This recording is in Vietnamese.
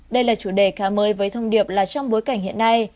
đây là chủ đề khá mới với thông điệp là trong bối cảnh hiện nay